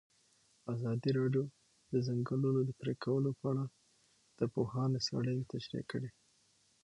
ازادي راډیو د د ځنګلونو پرېکول په اړه د پوهانو څېړنې تشریح کړې.